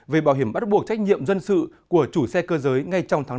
về bảo hiểm bắt buộc trách nhiệm dân sự của chủ xe cơ giới ngay trong tháng năm